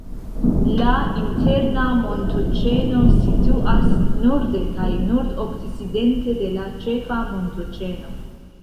La Interna montoĉeno situas norde kaj nord-okcidente de la Ĉefa montoĉeno.